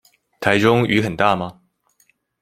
臺中雨很大嗎？